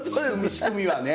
仕組みはね。